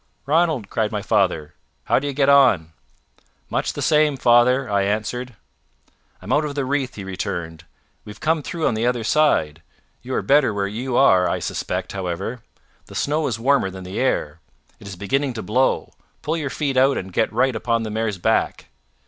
"Ranald!" cried my father; "how do you get on?" "Much the same, father," I answered. "I'm out of the wreath," he returned. "We've come through on the other side. You are better where you are I suspect, however. The snow is warmer than the air. It is beginning to blow. Pull your feet out and get right upon the mare's back."